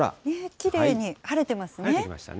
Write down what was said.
きれいに晴れてますね。